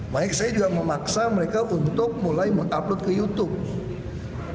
makanya saya juga memaksa mereka untuk mulai mengupload ke youtube